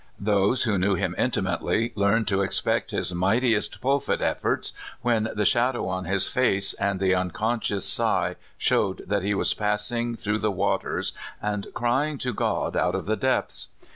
Those/ who knew him intimately learned to expect his mightiest pul pit efforts when the shadow on his face and the unconscious sigh showed that he was passing through the waters and crying to God out of the depths.